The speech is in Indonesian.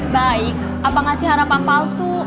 baik apa ngasih harapan palsu